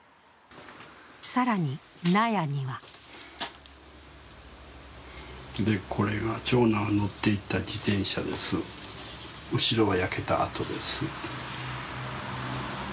更に、納屋にはこれが長男の乗っていた自転車です、後ろが焼けた跡です。